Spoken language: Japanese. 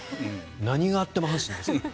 何があっても阪神ですから。